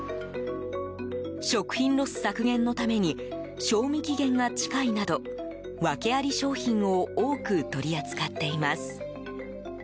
食品ロス削減のために賞味期限が近いなど訳あり商品を多く取り扱っています。